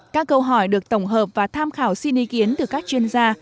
các câu hỏi được tổng hợp và tham khảo xin ý kiến từ các chuyên gia